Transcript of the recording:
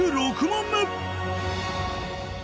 ６問目